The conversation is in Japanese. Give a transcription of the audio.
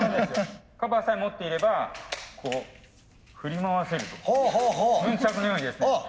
カバーさえ持っていればこう振り回せるとヌンチャクのようにですね。